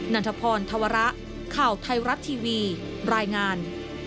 ันทพรธวระข่าวไทยรัฐทีวีรายงาน